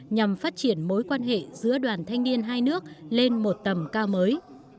nhằm phát triển mối quan hệ giữa đoàn thanh niên hai nước lên một tầm cao mới